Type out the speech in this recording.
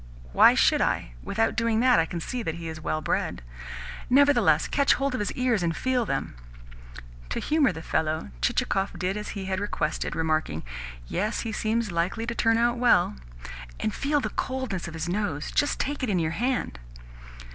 "Why should I? Without doing that, I can see that he is well bred." "Nevertheless, catch hold of his ears and feel them." To humour the fellow Chichikov did as he had requested, remarking: "Yes, he seems likely to turn out well." "And feel the coldness of his nose! Just take it in your hand."